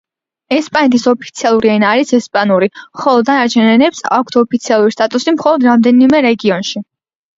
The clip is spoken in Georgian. ესპანეთის ოფიციალური ენა არის ესპანური, ხოლო დანარჩენ ენებს აქვთ ოფიციალური სტატუსი მხოლოდ რამდენიმე რეგიონში.